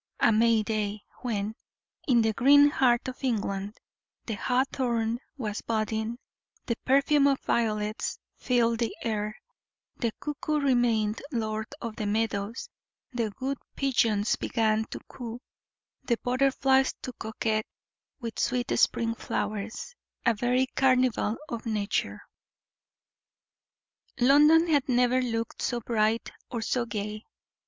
A May day, when, in the green heart of England, the hawthorn was budding, the perfume of violets filled the air, the cuckoo remained lord of the meadows, the wood pigeons began to coo, the butterflies to coquette with sweet spring flowers a very carnival of nature. London had never looked so bright or so gay.